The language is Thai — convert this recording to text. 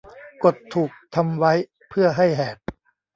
กฎถูกทำไว้เพื่อให้แหก